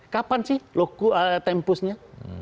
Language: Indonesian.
kapan sih loku tempusnya